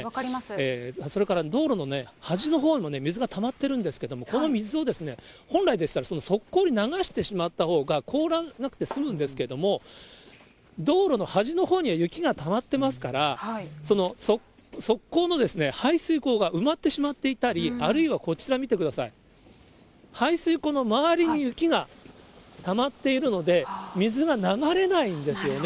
それから道路のね、端のほうも水がたまってるんですけれども、この水を、本来でしたら側溝に流してしまったほうが凍らなくて済むんですけれども、道路の端のほうには雪がたまってますから、側溝の排水溝が埋まってしまっていたり、あるいはこちら見てください、排水溝の周りに雪がたまっているので、水が流れないんですよね。